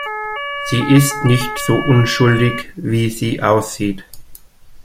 Sie ist nicht so unschuldig, wie sie aussieht.